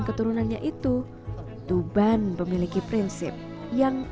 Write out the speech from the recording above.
kan jualan begini keliling